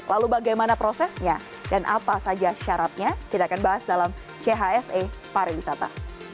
lalu bagaimana prosesnya dan apa saja syaratnya kita akan bahas dalam chse pariwisata